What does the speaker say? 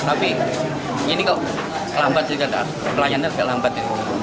tapi ini kok lambat pelayanannya tidak lambat